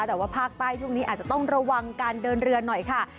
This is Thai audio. แต่ว่าภาคใต้ช่วงนี้อาจจะต้องระวังการเดินเรือหน่อยค่ะ